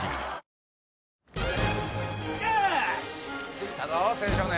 着いたぞ青少年。